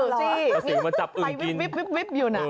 กระสือมาจับอึงกิน